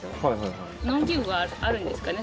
農機具があるんですかね